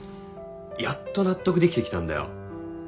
やっと納得できてきたんだよ